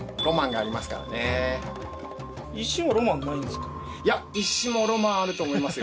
やっぱりいや石もロマンあると思いますよ